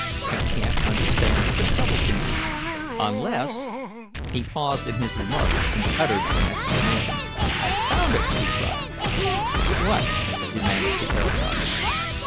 I can't understand what the trouble can be, unless " He paused in his remark and uttered an exclamation. "I've found it!" he cried. "What?" demanded the aeronaut.